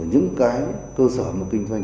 những cái cơ sở kinh doanh